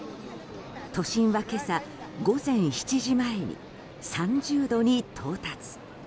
都心は今朝午前７時前に３０度に到達。